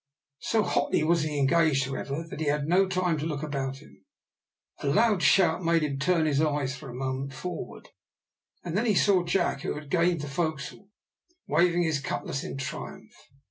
So hotly was he engaged, however, that he had no time to look about him. A loud shout made him turn his eyes for a moment forward, and then he saw Jack, who had gained the forecastle, waving his cutlass in triumph.